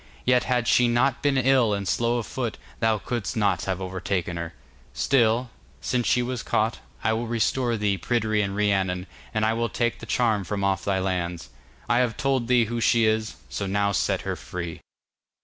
Yet had she not been ill and slow of foot, thou couldst not have overtaken her. Still, since she was caught, I will restore thee Pryderi and Rhiannon, and will take the charm from off thy lands. I have told thee who she is; so now set her free.